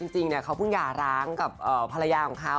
จริงเขาเพิ่งหย่าร้างกับภรรยาของเขา